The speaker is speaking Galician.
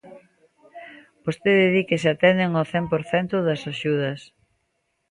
Vostede di que se atenden o cen por cento das axudas.